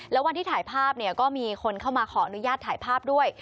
แล้ววันที่ถ่ายภาพเนี่ยก็มีคนเข้ามาขออนุญาตถ่ายภาพด้วย